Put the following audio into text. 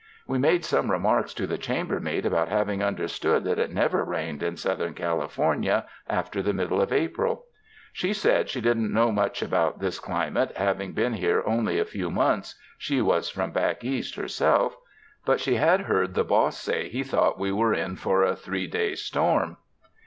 We made some remarks to the chambermaid about having understood that it never rained in Southern California after the middle of April. She said she didn't know much about this climate, having been here only a few months — she was from back East herself — but she had heard the boss say he thought we were in for a three days' storm.